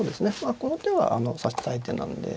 この手は指したい手なんで。